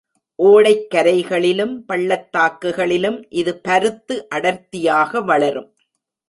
ஓடைக்கரைகளிலும், பள்ளத்தாக்குகளிலும் இது பருத்து அடர்த்தியாக வளரும்.